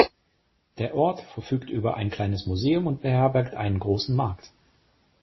Der Ort verfügt über ein kleines Museum und beherbergt einen großen Markt.